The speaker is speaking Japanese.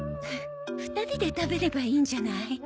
２人で食べればいいんじゃない？